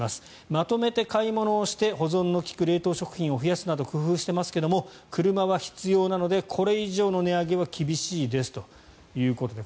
まとめて買い物をして保存の利く冷凍食品を増やすなど工夫していますが車は必要なのでこれ以上の値上げは厳しいですということです。